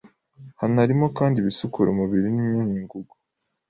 Hanarimo kandi ibisukura umubiri n’imyunyungugu.